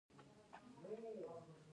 د فقاریه او غیر فقاریه ترمنځ توپیر څه دی